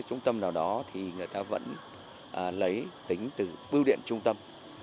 trung tâm nào đó thì người ta vẫn lấy tính từ bưu điện trung tâm